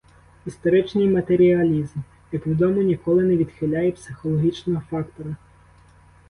Історичний матеріалізм, як відомо, ніколи не відхиляє психологічного фактора.